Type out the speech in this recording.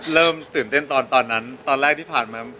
เริ่มตื่นเต้นตอนตอนนั้นตอนแรกที่ผ่านมา